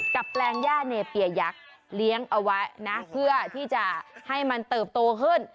แปลงย่าเนเปียักษ์เลี้ยงเอาไว้นะเพื่อที่จะให้มันเติบโตขึ้น